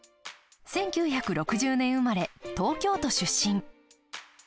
１９６０年生まれ、東京都出身。